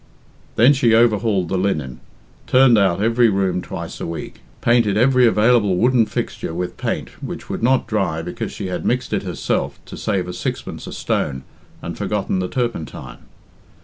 Than she overhauled the linen; turned out every room twice a week; painted every available wooden fixture with paint which would not dry because she had mixed it herself to save a sixpence a stone and forgotten the turpentine.